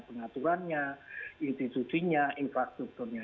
pengaturannya institusinya infrastrukturnya